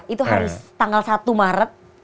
itu harus tanggal satu maret